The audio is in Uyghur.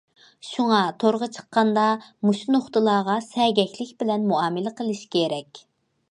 شۇڭا تورغا چىققاندا مۇشۇ نۇقتىلارغا سەگەكلىك بىلەن مۇئامىلە قىلىش كېرەك.